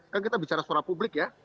kan kita bicara suara publik ya